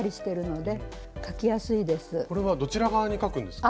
これはどちら側に描くんですか？